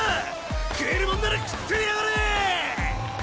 食えるもんなら食ってみやがれ！